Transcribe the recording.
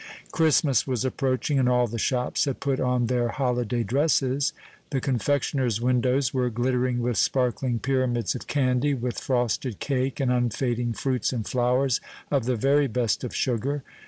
Christmas was approaching, and all the shops had put on their holiday dresses; the confectioners' windows were glittering with sparkling pyramids of candy, with frosted cake, and unfading fruits and flowers of the very best of sugar.